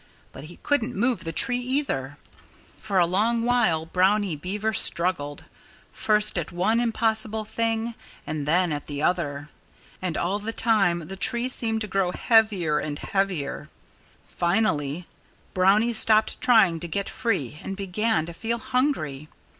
But he couldn't move the tree either. For a long while Brownie Beaver struggled, first at one impossible thing, and then at the other. And all the time the tree seemed to grow heavier and heavier. Finally, Brownie stopped trying to get free and began to feel hungry.